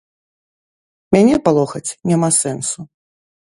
Мяне палохаць няма сэнсу.